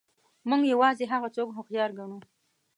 موږ یوازې هغه څوک هوښیار ګڼو.